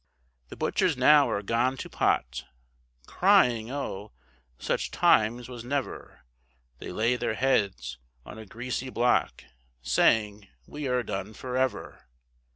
The butchers now are gone to pot, Crying, oh! such times was never, They lay their heads on a greasy block, Saying, we are done for ever.